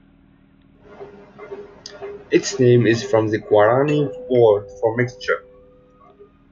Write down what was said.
Its name is from the Guarani word for mixture.